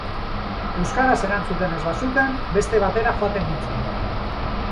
Euskaraz erantzuten ez bazuten, beste batera joaten nintzen.